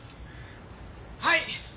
はい！